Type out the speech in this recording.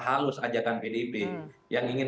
halus ajakan pdip yang ingin